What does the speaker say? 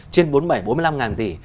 trên bốn mươi bảy bốn mươi năm ngàn tỷ